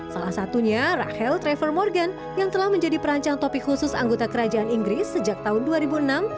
salah satunya rahel trevor morgan yang telah menjadi perancang topik khusus anggota kerajaan inggris sejak tahun dua ribu enam